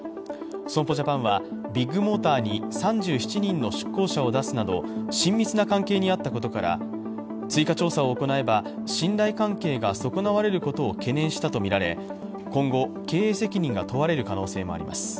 損保ジャパンはビッグモーターに３７人の出向者を出すなど親密な関係にあったことから、追加調査を行えば信頼結果が損なわれることを懸念したとみられ、今後、経営責任が問われる可能性もあります。